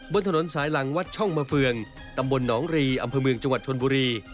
บนถนนสายหลังวัดช่องมาเฟืองตำบลหนองรีอำเภอเมืองจังหวัดชนบุรี